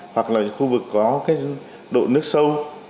hoặc là những khu vực có cái độ nước sâu